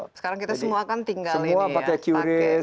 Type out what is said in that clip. sekarang kita semua kan tinggal ini ya